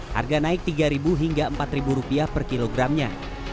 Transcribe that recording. harga naik rp tiga hingga rp empat per kilogramnya